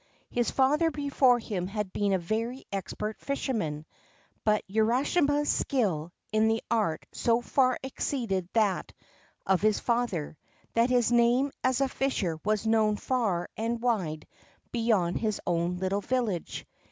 His father before him had been a very expert fisherman, but Urashima's skill in the art so far exceeded that of his father, that his name as a fisher was known far and wide beyond his own little village.